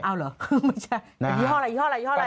เอ้าเหรอคือไม่ใช่ยี่ห้ออะไรยี่ห้ออะไรยี่ห้ออะไร